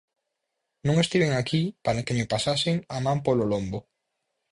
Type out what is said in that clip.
Non estiven aquí para que me pasasen a man polo lombo.